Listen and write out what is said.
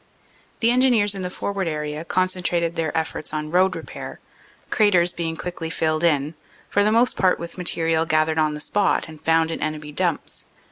"The Engineers in the forward area concentrated their efforts on road repair, craters being quickly filled in, for the most part with material gathered on the spot and found in enemy dumps.